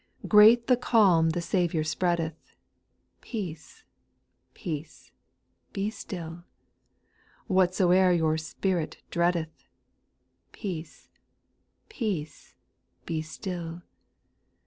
3. Great the calm the Saviour spreadeth, Peace, peace, be still ; Whatsoe'r your spirit dreadeth. Peace, peace, be still.